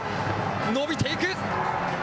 伸びていく。